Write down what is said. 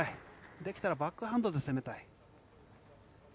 できたらバックハンドで攻めたい。